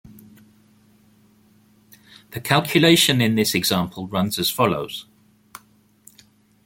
The calculation in this example runs as follows.